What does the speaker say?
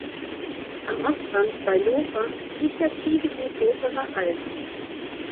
Am Ostrand, bei Lofer, liegt das "Skigebiet Loferer Alm".